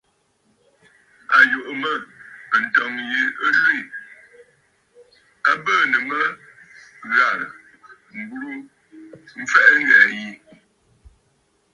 À yùʼù mə̂, ǹtɔ̂ŋ yi ɨ lwî, a bɨɨ̀nə̀ mə ghàrə̀, m̀burə mfɛʼɛ ghɛ̀ɛ̀ ƴi.